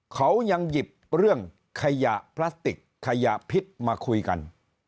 เขายังหยิบเรื่องขยะพลาสติกขยะพิษมาคุยกัน